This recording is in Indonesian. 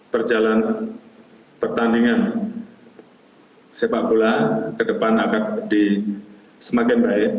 perjalanan pertandingan sepak bola ke depan akan semakin baik